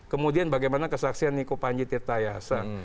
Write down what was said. kemudian bagaimana kesaksian niko panji tirta yasa